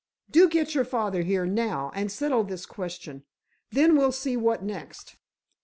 Do get your father here, now, and settle this question. Then, we'll see what next."